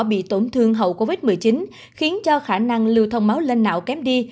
bị tổn thương hậu covid một mươi chín khiến cho khả năng lưu thông máu lên não kém đi